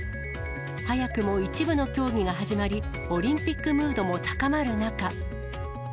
早くも一部の競技が始まり、オリンピックムードも高まる中。